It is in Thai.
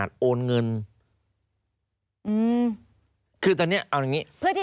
อันนี้คดีนี้